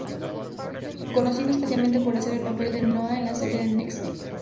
Conocido especialmente por hacer el papel de Noah en la serie The Next Step.